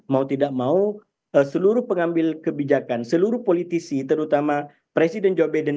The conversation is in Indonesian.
mau tidak mau seluruh pengambil kebijakan seluruh politisi terutama presiden joe biden